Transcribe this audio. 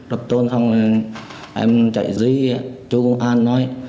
đập tôn xong em chạy dưới chỗ công an thôi